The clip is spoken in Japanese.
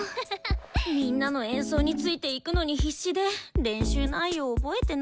みんなの演奏についていくのに必死で練習内容覚えてないや。